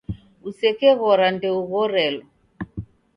Usekeghora ndoughorelo